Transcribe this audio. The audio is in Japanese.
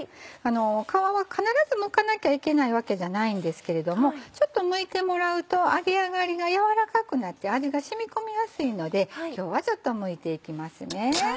皮は必ずむかなきゃいけないわけじゃないんですけれどもちょっとむいてもらうと揚げ上がりが軟らかくなって味が染み込みやすいので今日はちょっとむいていきますね。